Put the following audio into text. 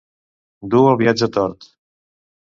Dur el viatge tort.